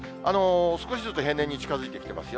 少しずつ平年に近づいてきていますよ。